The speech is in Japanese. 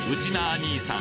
兄さん